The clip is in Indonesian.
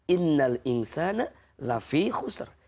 innal insana lafi khusr